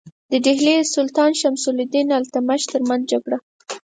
د ډهلي د سلطان شمس الدین التمش ترمنځ جګړه.